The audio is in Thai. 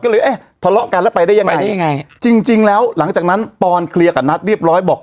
ก็เลยเอ๊ะทะเลาะกันแล้วไปได้ยังไงได้ยังไงจริงแล้วหลังจากนั้นปอนเคลียร์กับนัทเรียบร้อยบอก